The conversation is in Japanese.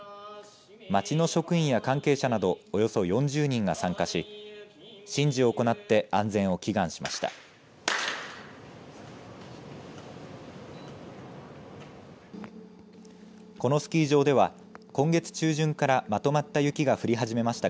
町の職員や関係者などおよそ４０人が参加し神事を行って安全を祈願しました。